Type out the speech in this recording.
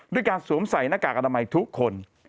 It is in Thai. ด้วยการสวมใส่หน้ากากอนามัยทุกคน